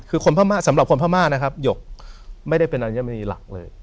คือคนพม่าสำหรับคนพม่านะครับหยกไม่ได้เป็นอัญมณีหลักเลย